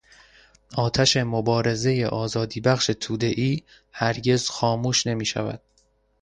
آتش مبارزهٔ آزادیبخش توده ای هرگز خاموش نمیشود.